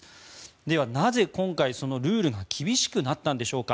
では、なぜ今回、ルールが厳しくなったんでしょうか。